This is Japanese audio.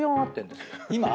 今？